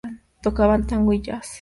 Tocaban tango y jazz.